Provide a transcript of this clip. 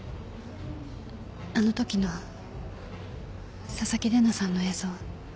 あのときの紗崎玲奈さんの映像。